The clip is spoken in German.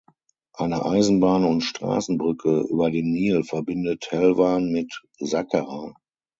Eine Eisenbahn- und Straßenbrücke über den Nil verbindet Helwan mit Sakkara.